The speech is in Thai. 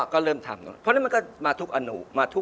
ก็เริ่มทำเพราะนั้นมันก็มาทุกอนุ